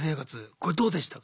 これどうでしたか？